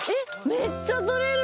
めっちゃ取れる！